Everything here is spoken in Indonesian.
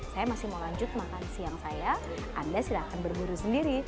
saya masih mau lanjut makan siang saya anda silahkan berburu sendiri